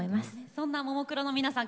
そんなももクロの皆さん